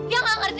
ya gak ngerti